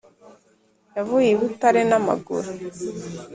Yavuye I butare namaguru